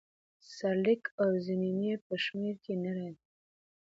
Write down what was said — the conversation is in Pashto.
سرلیک او ضمیمې په شمیر کې نه راځي.